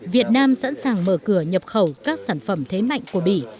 việt nam sẵn sàng mở cửa nhập khẩu các sản phẩm thế mạnh của bỉ